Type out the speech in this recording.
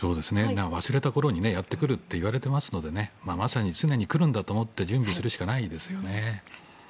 忘れた頃にやってくるといわれてますのでまさに常に来るんだと思って準備をするしかないですよね。